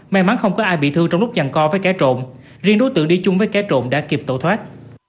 may mắn không có ai bị thương trong lúc nhằn co với cái trộn riêng đối tượng đi chung với cái trộn đã kịp tổ thoát